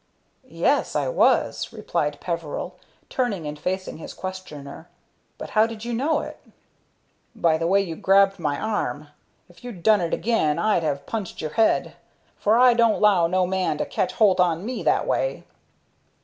"Yes, I was," replied Peveril, turning and facing his questioner. "But how did you know it?" "By the way you grabbed my arm. If you'd done it again I'd have punched your head; for I don't 'low no man to catch holt on me that way."